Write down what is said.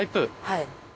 はい。